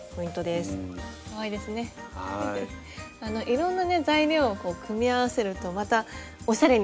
いろんなね材料を組み合わるとまたおしゃれになりますね。